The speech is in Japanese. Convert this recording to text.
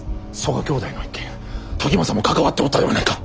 曽我兄弟の一件時政も関わっておったではないか。